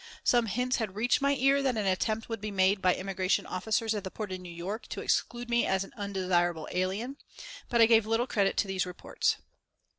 Some hints had reached my ears that an attempt would be made by the Immigration Officers at the port of New York to exclude me as an undesirable alien, but I gave little credit to these reports.